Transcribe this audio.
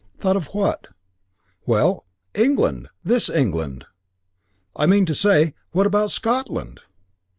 "Thought of what?" "Well 'England' 'this England.' I mean to say What about Scotland?"